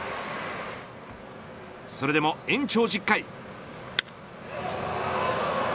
それでも延長１０回。